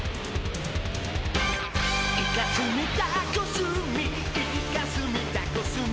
「イカスミ・タコスミ・イカスミ・タコスミ」